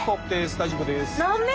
大丈夫です。